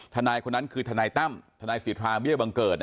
ทนายคนนั้นคือทนายตั้มทนายสิทธาเบี้ยบังเกิด